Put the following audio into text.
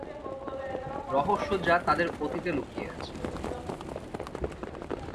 রহস্য যা তাদের অতীতে লুকিয়ে আছে।